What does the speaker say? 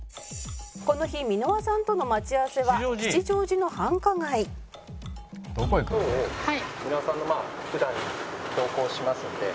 「この日箕輪さんとの待ち合わせは吉祥寺の繁華街」「どこ行くの？」